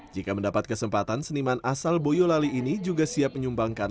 jika mendapat kesempatan seniman asal boyolali ini juga siap menyumbangkan